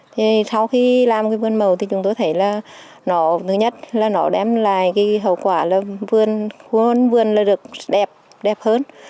thì sau khi làm cái vườn mẫu thì chúng tôi thấy là nó thứ nhất là nó đem lại cái hậu quả là vườn là được đẹp đẹp hơn